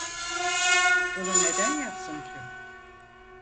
Bunu neden yapsın ki?